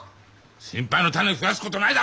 心配の種増やすことないだろ！